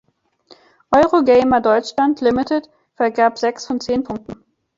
Eurogamer Deutschland Limited vergab sechs von zehn Punkten.